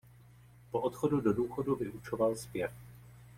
Po odchodu do důchodu vyučoval zpěv.